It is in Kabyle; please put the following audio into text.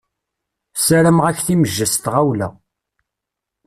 Sarameɣ-ak timejja s temɣawla.